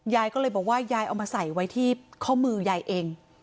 ยายก็เลยบอกว่ายายเอามาใส่ไว้ที่ข้อมือยายเอง